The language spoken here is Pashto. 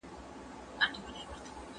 زه سوله خوښوم.